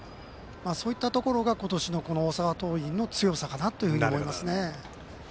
そういったところが今年の大阪桐蔭の強さかなと思いますね。